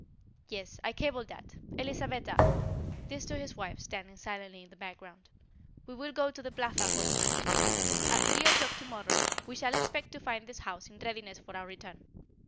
"Yes, I cabled that. Elisabetta," this to his wife standing silently in the background "we will go to the Plaza for tonight. At three o'clock tomorrow we shall expect to find this house in readiness for our return.